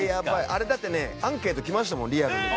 あれだってねアンケート来ましたもんリアルに。